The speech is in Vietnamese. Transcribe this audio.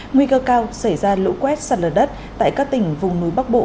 nguy cơ cao xảy ra lũ quét sạt lở đất tại các tỉnh vùng núi bắc bộ